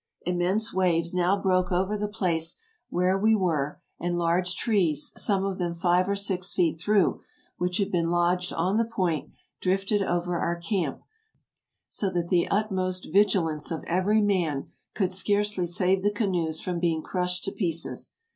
Immense waves now broke over the place where we were and large trees some of them five or six feet through, which had been lodged on the point, drifted over our camp, so that the utmost vigi lance of every man could scarcely save the canoes from being crushed to pieces.